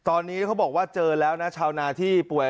ตอนนี้เขาบอกว่าเจอแล้วนะชาวนาที่ป่วย